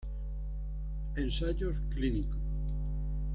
Ensayos clínicos.